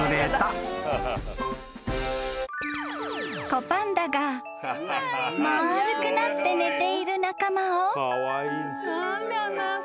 ［子パンダが丸くなって寝ている仲間を］